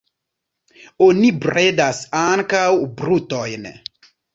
Oni bredas ankaŭ brutojn.